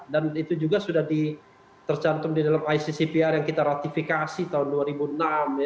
dan itu juga sudah tercantum di dalam iccpr yang kita ratifikasi tahun dua ribu enam